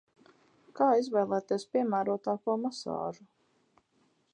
Kā izvēlēties piemērotāko masāžu?